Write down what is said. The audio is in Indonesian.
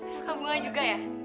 suka bunga juga ya